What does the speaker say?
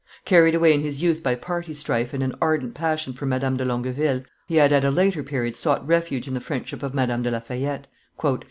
Carried away in his youth by party strife and an ardent passion for Madame de Longueville, he had at a later period sought refuge in the friendship of Madame de La Fayette.